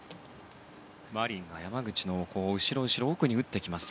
マリンは山口の後ろへ打ってきます。